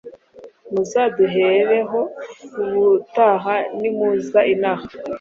muzaduhereho ubutaha nimuza inaha